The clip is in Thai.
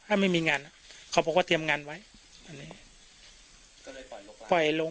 ถ้าไม่มีงานนะเขาบอกว่าเตรียมงานไว้อันนี้ก็เลยปล่อยลงไปปล่อยลง